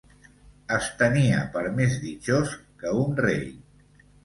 Es tenia per més ditxós que un rei…